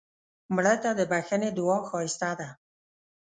مړه ته د بښنې دعا ښایسته ده